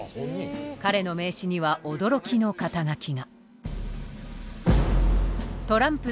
彼の名刺には驚きの肩書が。